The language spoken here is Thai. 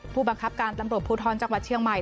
ผู้บังคับการตำรวจภูทรจังหวัดเชียงใหม่